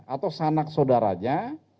atau sanak saudaranya